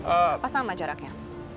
apa sama jaraknya